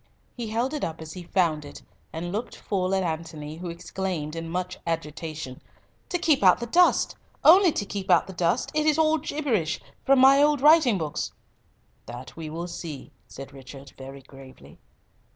He held it up as he found it, and looked full at Antony, who exclaimed in much agitation, "To keep out the dust. Only to keep out the dust. It is all gibberish—from my old writing books." "That will we see," said Richard very gravely.